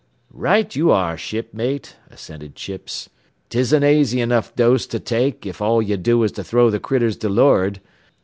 "Right ye are, shipmate," assented Chips; "'tis an aisy enough dose to take if all ye do is to throw th' critters to lor'ard.